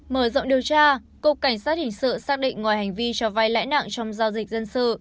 mở rộng điều tra cục cảnh sát hình sự xác định ngoài hành vi cho vay lãi nặng trong giao dịch dân sự